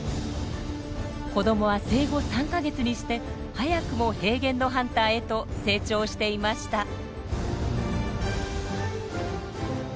子どもは生後３か月にして早くも平原のハンターへと成長していました。